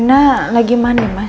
rena lagi mana memberangkan tabi